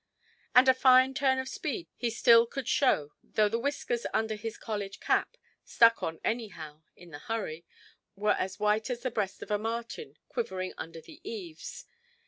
And a fine turn of speed he still could show, though the whiskers under his college–cap (stuck on anyhow in the hurry) were as white as the breast of a martin quivering under the eaves.